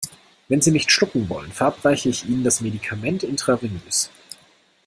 Wenn Sie nicht schlucken wollen, verabreiche ich Ihnen das Medikament intravenös.